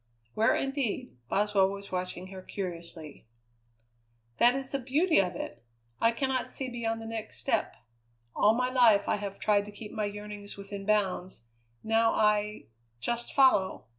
"Where, indeed?" Boswell was watching her curiously. "That is the beauty of it! I cannot see beyond the next step. All my life I have tried to keep my yearnings within bounds; now I just follow.